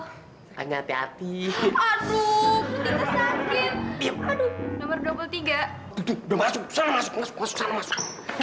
hai tanya hati hati aduh sakit nomor dua puluh tiga masuk masuk